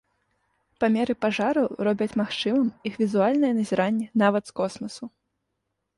Памеры пажараў робяць магчымым іх візуальнае назіранне нават з космасу.